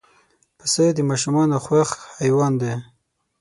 پسه د ماشومانو خوښ حیوان دی.